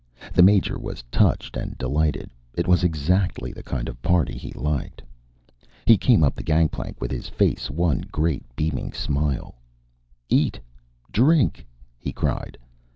The Major was touched and delighted; it was exactly the kind of party he liked. He came up the gangplank with his face one great beaming smile. "Eat! Drink!" he cried.